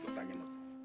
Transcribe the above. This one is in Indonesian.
gue tanya mut